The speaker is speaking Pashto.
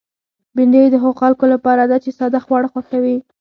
بېنډۍ د هغو خلکو لپاره ده چې ساده خواړه خوښوي